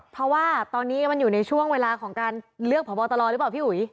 เพราะว่าตอนนี้มันอยู่ในช่วงเวลาของการเลือกผอบอตรอหรือเปล่าพี่อุ๋ย